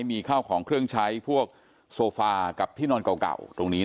มีข้าวของเครื่องใช้พวกโซฟากับที่นอนเก่าตรงนี้